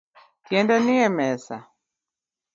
Tiende nie mesa